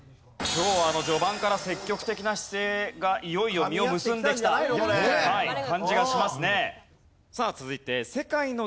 今日序盤から積極的な姿勢がいよいよ実を結んできた感じがしますね。